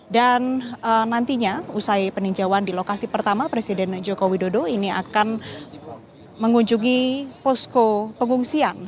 dan nantinya usai peninjauan di lokasi pertama presiden joko widodo ini akan mengunjungi posko pengungsian